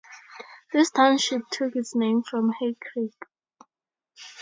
This township took its name from Hay Creek.